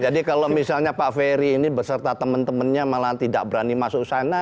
jadi kalau misalnya pak ferry ini beserta temen temennya malah tidak berani masuk sana